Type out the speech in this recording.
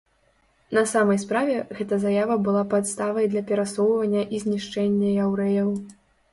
На самай справе, гэта заява была падставай для перасоўвання і знішчэння яўрэяў.